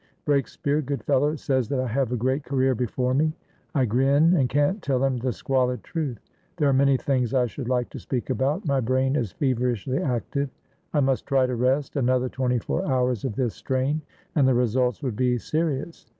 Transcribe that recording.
Breakspeare, good fellow, says that I have a great career before me; I grin, and can't tell him the squalid truth. There are many things I should like to speak about; my brain is feverishly active. I must try to rest; another twenty four hours of this strain, and the results would be serious.